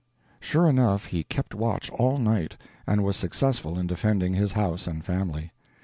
Sure enough, he kept watch all night, and was successful in defending his house and family.